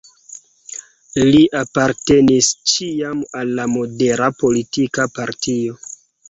Li apartenis ĉiam al la modera politika partio.